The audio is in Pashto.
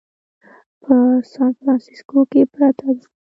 په سان فرانسیسکو کې پرته ده.